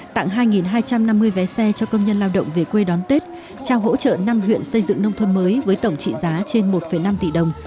tặng hai hai trăm năm mươi vé xe cho công nhân lao động về quê đón tết trao hỗ trợ năm huyện xây dựng nông thôn mới với tổng trị giá trên một năm tỷ đồng